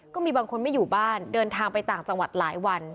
ก็มีบางคนไม่อยู่บ้านเดินทางไปต่างจังหวัดหลายวัน